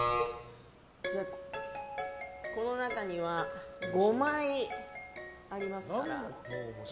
この中には５枚ありますから。